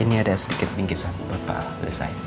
ini ada sedikit bingkisan buat pak al